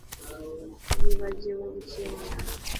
Yibagiwe gukinga